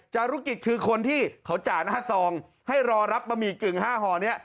จารุกิจคือคนที่เขาจ่ายหน้าซองให้รอรับบะหมี่กึ่ง๕ห่อนี้